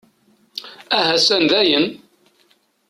Ahasan dayen!